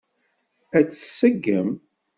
Ad tt-tseggem?